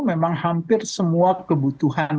memang hampir semua kebutuhan